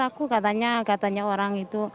aku katanya katanya orang itu